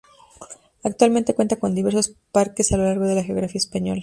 Actualmente cuenta con diversos parques a lo largo de la geografía española.